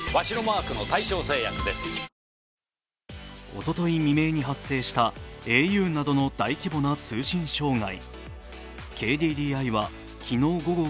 おととい未明に発生したａｕなどの大規模な通信障害。